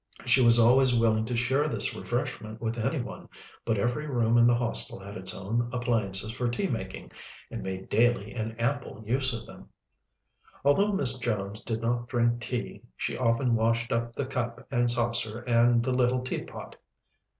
She was always willing to share this refreshment with any one, but every room in the Hostel had its own appliances for tea making, and made daily and ample use of them. Although Miss Jones did not drink tea, she often washed up the cup and saucer and the little teapot.